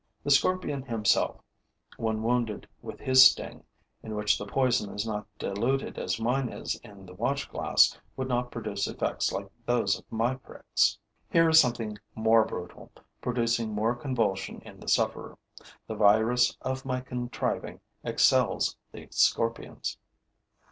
The scorpion himself, when wounding with his sting, in which the poison is not diluted as mine is in the watch glass, would not produce effects like those of my pricks. Here is something more brutal, producing more convulsion in the sufferer. The virus of my contriving excels the scorpion's.